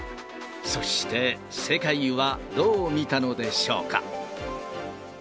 そして、世界はどう見たのでしょうか。